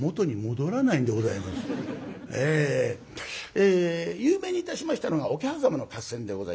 え有名にいたしましたのが桶狭間の合戦でございました。